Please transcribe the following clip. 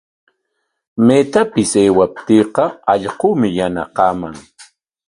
Maytapis aywaptiiqa allquumi yanaqaman.